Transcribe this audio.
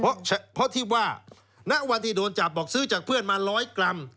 เพราะที่ว่าณวันที่โดนจับบอกซื้อจากเพื่อนมาร้อยกรัม